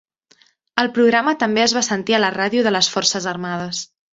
El programa també es va sentir a la ràdio de les forces armades.